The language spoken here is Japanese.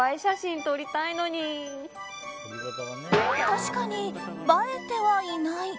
確かに、映えてはいない。